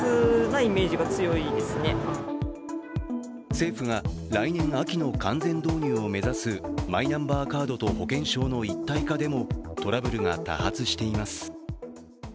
政府が来年秋の完全導入を目指すマイナンバーカードと保険証の一体化でもトラブルが多発しています。